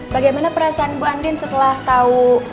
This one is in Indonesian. bagaimana perasaan bu andin setelah tahu